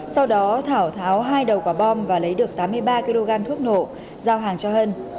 sau đó thảo tháo hai đầu quả bom và lấy được tám mươi ba kg thuốc nổ giao hàng cho hân